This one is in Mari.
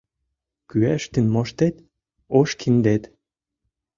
Кӱэштын моштет — ош киндет.